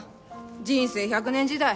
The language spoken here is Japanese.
人生１００年時代。